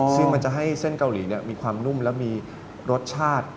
ซึ่งมันจะให้เส้นเกาหลีมีความนุ่มและมีรสชาติ